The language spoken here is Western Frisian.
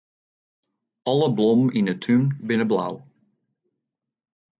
Alle blommen yn 'e tún binne blau.